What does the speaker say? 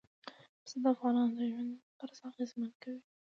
پسه د افغانانو د ژوند طرز اغېزمنوي.